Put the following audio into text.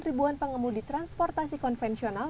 ribuan pengemudi transportasi konvensional